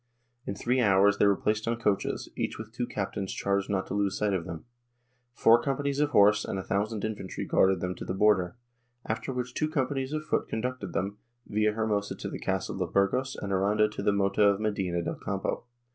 In three hours they were placed in coaches, each with two captains charged not to lose sight of them. Four companies of horse and a thousand infantry guarded them to the border, after which two companies of foot conducted them, Villahermosa to the castle of Burgos and Aranda to the Mota of Medina del Campo.